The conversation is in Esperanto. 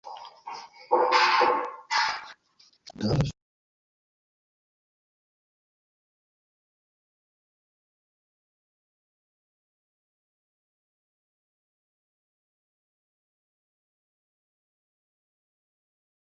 Vi jes ja min kredas, ĉu ne?